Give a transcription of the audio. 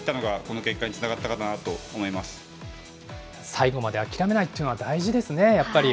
最後まで諦めないというのが大事ですね、やっぱり。